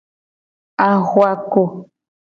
Ahuako.